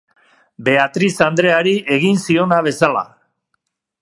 Beatriz andreari egin ziona bezala.